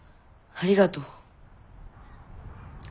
ありがとう。